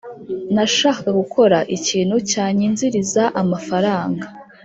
Nashakaga gukora ikintu cyanyinziriza amafaranga